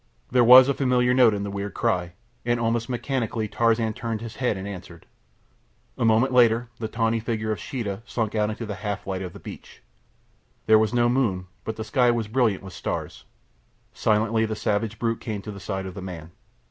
There was a familiar note in the weird cry, and almost mechanically Tarzan turned his head and answered. A moment later the tawny figure of Sheeta slunk out into the half light of the beach. There was no moon, but the sky was brilliant with stars. Silently the savage brute came to the side of the man.